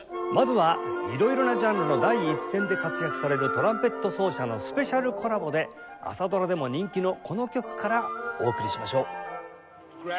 まずは色々なジャンルの第一線で活躍されるトランペット奏者のスペシャルコラボで朝ドラでも人気のこの曲からお送りしましょう。